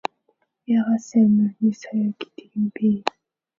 Яагаад сайн морины соёо гэдэг юм бэ?